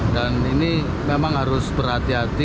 dan ini memang harus berhati hati